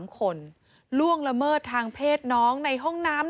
๓คนล่วงละเมิดทางเพศน้องในห้องน้ำ